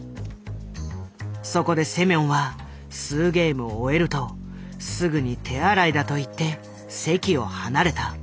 そこでセミョンは数ゲームを終えるとすぐに手洗いだと言って席を離れた。